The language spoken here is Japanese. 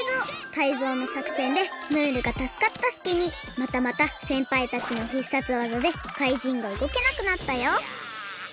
タイゾウのさくせんでムールがたすかったすきにまたまたせんぱいたちの必殺技でかいじんがうごけなくなったよ